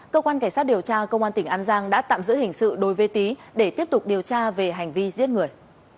cơ quan cảnh sát điều tra công an tỉnh an giang đã tạm giữ hình sự đối với tý để tiếp tục điều tra về hành vi giết người